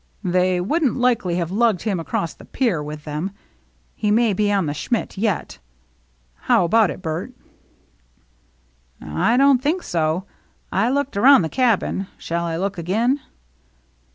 "They wouldn't likely have lugged him across the pier with them. He may be on the Schmidt yet. How about it, Bert ?"" I don't think so. I looked around the cabin. Shall I look again